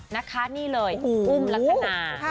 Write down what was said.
นะคะนี่เลยอุ้มลักษณะ